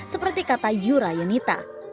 seperti kata yura yunita